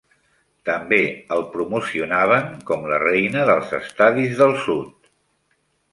També el promocionaven com "la reina dels estadis del sud".